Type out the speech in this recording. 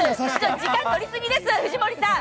時間取りすぎです、藤森さん。